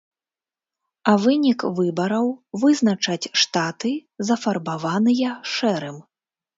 А вынік выбараў вызначаць штаты, зафарбаваныя шэрым.